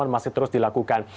dalaman masih terus dilakukan